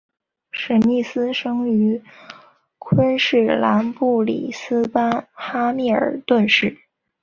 史密斯生于昆士兰布里斯班哈密尔顿市。